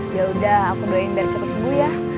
ya udah aku doain dari cepet sembuh ya